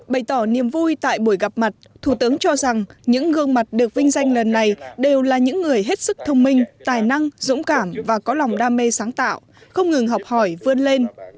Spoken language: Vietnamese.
bày tỏ niềm vui tại buổi gặp mặt thủ tướng cho rằng những gương mặt được vinh danh lần này đều là những người hết sức thông minh tài năng dũng cảm và có lòng đam mê sáng tạo không ngừng học hỏi vươn lên